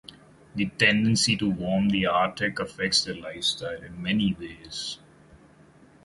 The tendency to warm the Arctic affects their lifestyle in many ways.